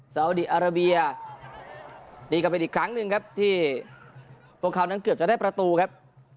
สาวดีอาราเบียดีกลับไปอีกครั้งหนึ่งครับที่พวกเขานั้นเกือบจะได้ประตูครับ